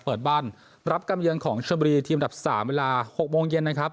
เปิดบ้านรับกำเยินของเชียวบรีทีมดับสามเวลาหกโมงเย็นนะครับ